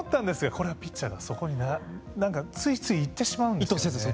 これはピッチャーがそこに何かついつい行ってしまうんですよね。